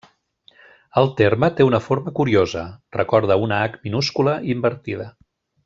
El terme té una forma curiosa: recorda una h minúscula invertida.